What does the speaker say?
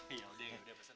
iya udah udah pesen